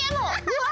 うわ！